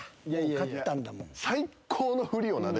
勝ったんだもん。